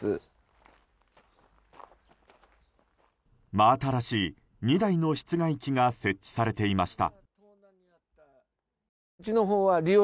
真新しい２台の室外機が設置されていました。